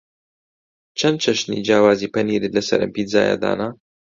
چەند چەشنی جیاوازی پەنیرت لەسەر ئەم پیتزایە دانا؟